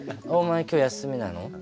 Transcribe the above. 「お前今日休みなの？」